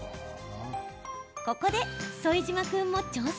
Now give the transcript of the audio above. ここで、副島君も挑戦。